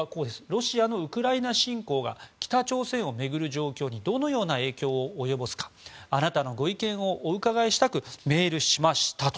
ロシアのウクライナ侵攻が北朝鮮を巡る状況にどのような影響を及ぼすかあなたのご意見をお伺いしたくメールしましたと。